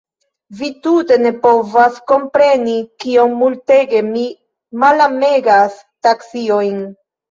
Vi tute ne povas kompreni, kiom multege mi malamegas taksiojn.